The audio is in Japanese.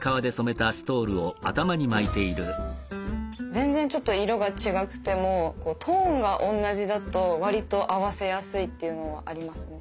全然ちょっと色が違くてもこうトーンが同じだとわりと合わせやすいっていうのはありますね。